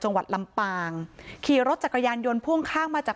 จังหวัดลำปางขี่รถจักรยานยนต์พ่วงข้างมาจาก